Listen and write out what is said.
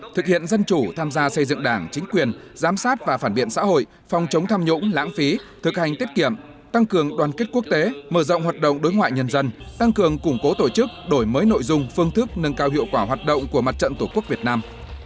thực hiện dân chủ tham gia xây dựng đảng chính quyền giám sát và phản biện xã hội phòng chống tham nhũng lãng phí thực hành tiết kiệm tăng cường đoàn kết quốc tế mở rộng hoạt động đối ngoại nhân dân tăng cường củng cố tổ chức đổi mới nội dung phương thức nâng cao hiệu quả hoạt động của mặt trận tổ quốc việt nam